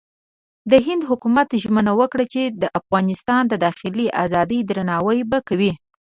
د هند حکومت ژمنه وکړه چې د افغانستان د داخلي ازادۍ درناوی به کوي.